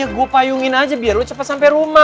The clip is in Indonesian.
ya gue payungin aja biar lo cepet sampe rumah